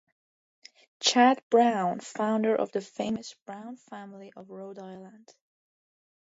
Chad Brown, founder of the famous Brown family of Rhode Island.